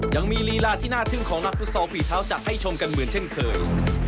ยังมีลีล่าที่หน้าทึ่งของนักศุษย์ฝีเท้าจักรให้ชมกันเหมือนเช่นเคย